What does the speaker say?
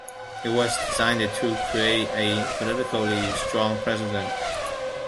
It was designed to create a politically strong President.